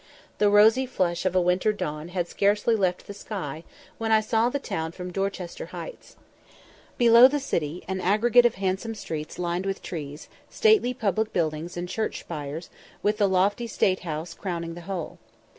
The rosy flush of a winter dawn had scarcely left the sky when I saw the town from Dorchester Heights. Below lay the city, an aggregate of handsome streets lined with trees, stately public buildings, and church spires, with the lofty State House crowning the whole.